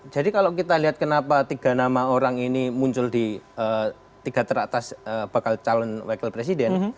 jadi kalau kita lihat kenapa tiga nama orang ini muncul di tiga teratas bakal calon wakil presiden